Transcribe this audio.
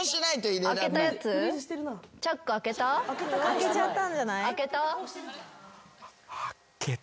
・開けちゃったんじゃない？